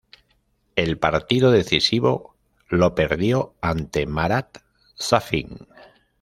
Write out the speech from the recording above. El partido decisivo lo perdió ante Marat Safin.